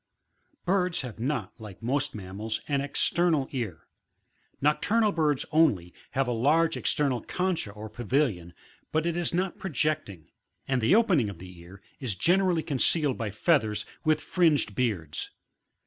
22. Birds have not, like most mammals, an external ear; nocturnal birds only, have a large external concha or pavilion, out it is not projecting ; and the opening of the ear is generally concealed by feathers with fringed beards.